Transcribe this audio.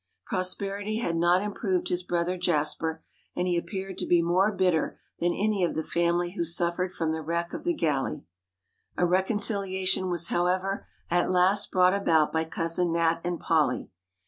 Prosperity had not improved his brother Jasper, and he appeared to be more bitter than any of the family who suffered from the wreck of the galley. A reconciliation was however at last brought about by cousin Nat and Polly.